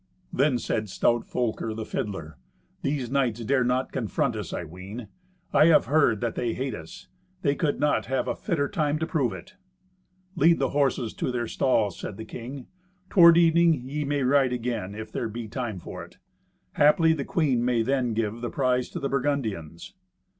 Then said stout Folker the fiddler, "These knights dare not confront us, I ween. I have heard that they hate us. They could not have a fitter time to prove it." "Lead the horses to their stalls," said the king. "Toward evening ye may ride again, if there be time for it. Haply the queen may then give the prize to the Burgundians."